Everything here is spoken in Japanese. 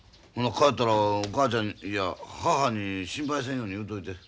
帰ったらお母ちゃんいや母に心配せんように言うといて。